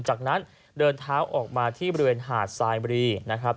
จากนั้นเดินเท้าออกมาที่บริเวณหาดทรายบุรีนะครับ